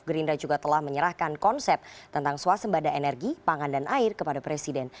gerindra juga telah menyerahkan konsep tentang swasembada energi pangan dan air kepada presiden